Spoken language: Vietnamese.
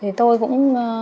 thì tôi cũng